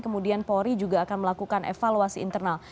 kemudian polri juga akan melakukan evaluasi internal